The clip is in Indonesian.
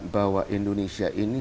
bahwa indonesia ini